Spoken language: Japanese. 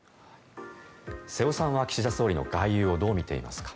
瀬尾さんは岸田総理の外遊をどう見ていますか？